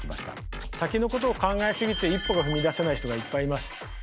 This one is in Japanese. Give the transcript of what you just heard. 先のことを考えすぎて一歩が踏み出せない人がいっぱいいます。